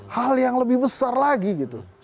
hal yang lebih besar lagi gitu